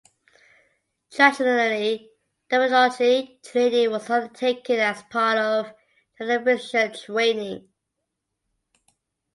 Traditionally dermatology training was undertaken as part of General Physician training.